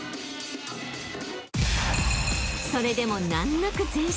［それでも難なく全勝］